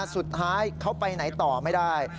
สุดท้ายเขาไปไหนต่อไม่ได้